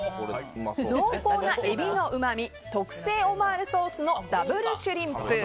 濃厚なエビのうまみ特製オマールソースのダブル・シュリンプ。